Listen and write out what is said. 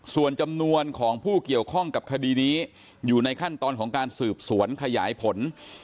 ส่วนจำนวนของผู้เกี่ยวข้องกับคดีนี้อยู่ในขั้นตอนของการสืบสวนขยายผล